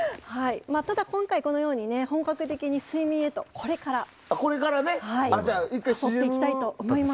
ただ、今回このように本格的に睡眠へとこれから誘っていきたいと思います。